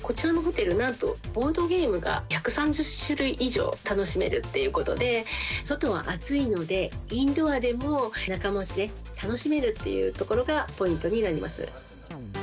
こちらのホテル、なんとボードゲームが１３０種類以上楽しめるということで、外は暑いので、インドアでも仲間内で楽しめるというところがポイントになります。